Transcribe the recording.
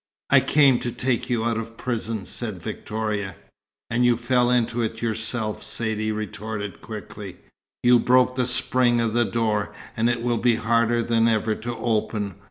"I came to take you out of prison," said Victoria. "And you fell into it yourself!" Saidee retorted quickly. "You broke the spring of the door, and it will be harder than ever to open.